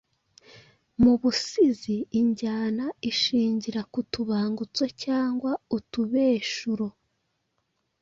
Mu busizi injyana ishingira ku tubangutso cyangwa utubeshuro.